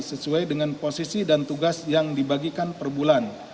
sesuai dengan posisi dan tugas yang dibagikan per bulan